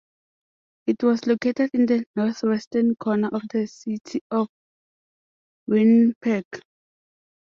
It was located in the northwestern corner of the city of Winnipeg.